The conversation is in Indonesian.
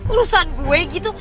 urusan gue gitu